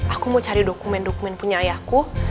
aku mau cari dokumen dokumen punya ayahku